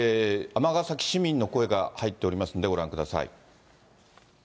尼崎市民の声が入っておりますんで、ご覧ください。